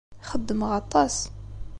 Xeddmeɣ aṭas.